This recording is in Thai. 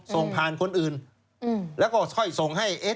ส่งผ่านคนอื่นแล้วก็ค่อยส่งให้